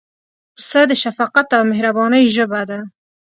پسه د شفقت او مهربانۍ ژبه ده.